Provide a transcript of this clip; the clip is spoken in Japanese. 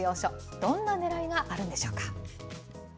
どんなねらいがあるんでしょうか。